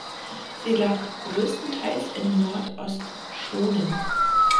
Sie lag größtenteils in Nordost-Schonen.